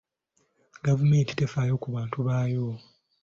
Gavumenti tefaayo ku bantu baayo.